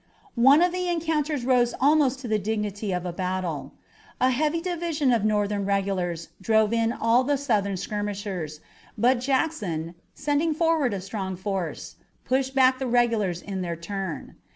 One of the encounters rose almost to the dignity of a battle. A heavy division of Northern regulars drove in all the Southern skirmishers, but Jackson, sending forward a strong force, pushed back the regulars in their turn.